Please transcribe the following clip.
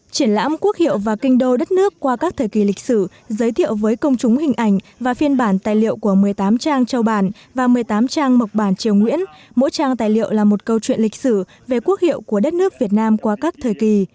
triển lãm quốc hiệu và kinh đô đất nước qua các thời kỳ lịch sử giới thiệu với công chúng hình ảnh và phiên bản tài liệu của một mươi tám trang châu bản và một mươi tám trang mộc bản triều nguyễn mỗi trang tài liệu là một câu chuyện lịch sử về quốc hiệu của đất nước việt nam qua các thời kỳ